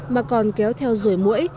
mà còn kéo theo rùi mũi